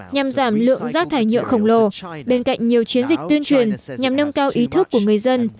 nhằm giảm lượng rác thải nhựa khổng lồ bên cạnh nhiều chiến dịch tuyên truyền nhằm nâng cao ý thức của người dân